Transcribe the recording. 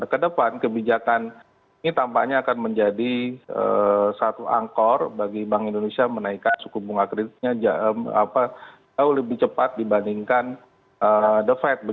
kedepan kebijakan ini tampaknya akan menjadi satu angkor bagi bank indonesia menaikkan suku bunga kreditnya jauh lebih cepat dibandingkan the fed